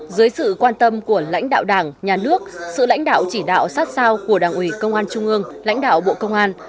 dưới sự quan tâm của lãnh đạo đảng nhà nước sự lãnh đạo chỉ đạo sát sao của đảng ủy công an trung ương lãnh đạo bộ công an